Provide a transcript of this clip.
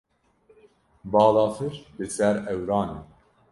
Balafir li ser ewran e.